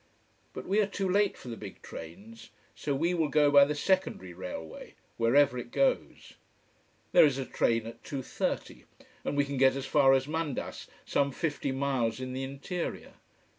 But we are too late for the big trains. So we will go by the secondary railway, wherever it goes. There is a train at 2.30, and we can get as far as Mandas, some fifty miles in the interior.